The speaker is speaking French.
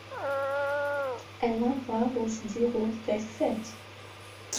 Un lavoir où se déroulent quelques fêtes.